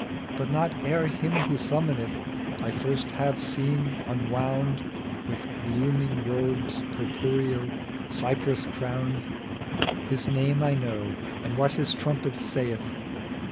But not ere him who summoneth I first have seen, enwound With glooming robes purpureal, cypress crowned ; His name I know, and what his trumpet saith.